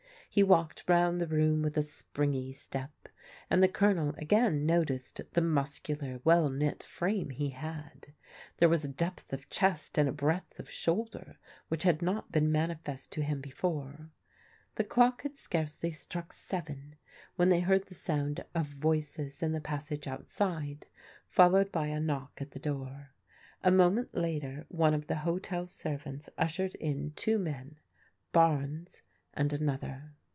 He walked round the room with a springy step, and the Colonel again noticed the muscular, well knit frame he had. There was a depth of chest and a breadth of shoulder which had not been manifest to him before. The clock had scarcely struck seven when they heard the sound of voices in the passage outside, followed by a knock at the door. A moment later one of the hotel servants ushered in two men, Barnes and another.